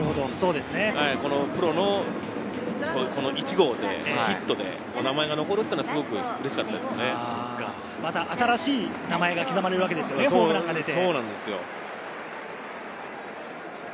プロの１号で、ヒットで名前が残るっていうは、すごくうれしかっまた新しい名前が刻まれるわけですよね、ホームランが出て。